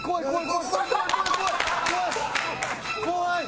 怖い。